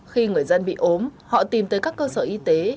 khi người dân bị ốm họ tìm tới các cơ sở y tế